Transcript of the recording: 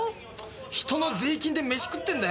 人の税金で飯食ってんだよ